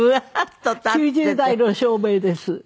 ９０代の証明です。